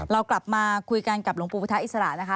เรากลับมาคุยกันกับหลวงปู่พุทธอิสระนะคะ